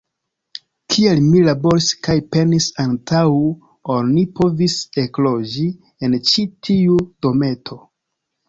Kiel mi laboris kaj penis antaŭ ol ni povis ekloĝi en ĉi tiu dometo!